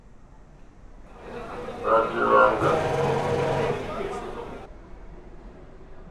Hwá rzì hwáŋɡá.